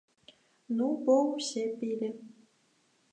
Ну бо ўсе пілі.